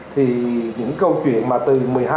thì những câu chuyện mà từ